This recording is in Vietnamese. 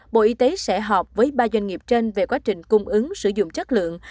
bộ y tế sẽ họp với ba doanh nghiệp trên về quá trình cung ứng sử dụng chất lượng